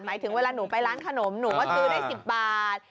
ถึงเวลาหนูไปร้านขนมหนูก็ซื้อได้๑๐บาท